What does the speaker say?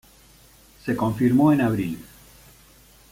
Se confirmó en abril.